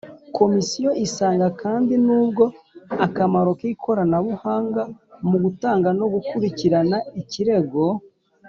Komisiyo isanga kandi n ubwo akamaro k ikoranabuhanga mu gutanga no gukurikirana ikirego